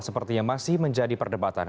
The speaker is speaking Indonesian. sepertinya masih menjadi perdebatan